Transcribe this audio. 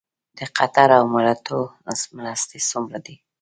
د قطر او اماراتو مرستې څومره دي؟